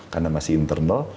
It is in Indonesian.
karena masih internal